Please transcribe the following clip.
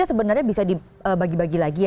itu sebenarnya bisa dibagi bagi lagi ya